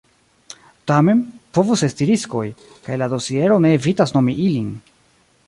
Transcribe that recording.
Tamen, povus esti riskoj, kaj la dosiero ne evitas nomi ilin.